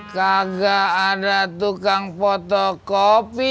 gagak ada tukang fotokopi